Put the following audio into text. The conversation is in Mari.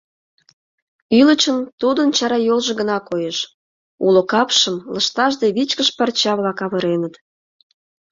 Ӱлычын тудын чара йолжо гына коеш, уло капшым лышташ да вичкыж парча-влак авыреныт.